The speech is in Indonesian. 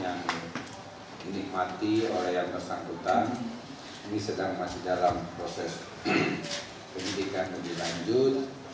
yang dinikmati oleh yang bersangkutan ini sedang masih dalam proses penyidikan lebih lanjut